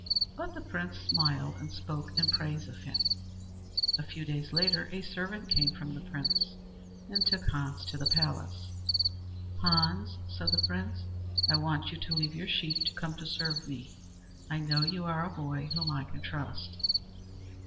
But the Prince smiled and spoke in praise of him. A few days later a servant came from the Prince and took Hans to the palace. "Hans," said the Prince, "I want you to leave your sheep to come to serve me. I know you are a boy whom I can trust."